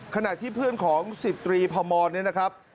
ขนาดที่เพื่อนของสิบตรีพมนี่นะครับ